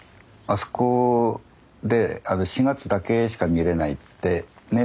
あそこで４月だけしか見れないってね